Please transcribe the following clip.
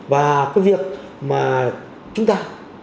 và cái việc mà chúng ta